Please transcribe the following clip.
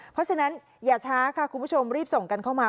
เพราะฉะนั้นอย่าช้าค่ะคุณผู้ชมรีบส่งกันเข้ามา